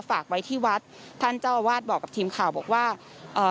ฝากไว้ที่วัดท่านเจ้าอาวาสบอกกับทีมข่าวบอกว่าเอ่อ